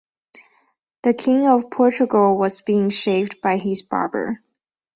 The King of Portugal was being shaved by his barber.